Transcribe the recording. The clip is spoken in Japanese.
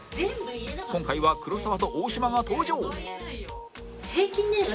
今回は黒沢と大島が登場